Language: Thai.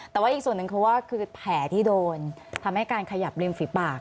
แต่ว่าอีกส่วนหนึ่งเขาว่าคือแผลที่โดนทำให้การขยับริมฝีปาก